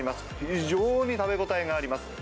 非常に食べ応えがあります。